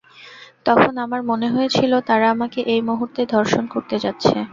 তখন আমার মনে হয়েছিল, তারা আমাকে এই মুহূর্তে ধর্ষণ করতে যাচ্ছে।